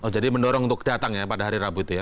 mendorong untuk datang ya pada hari rabu itu ya